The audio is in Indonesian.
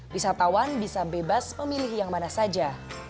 wisatawan bisa bebas memilih yang mana saja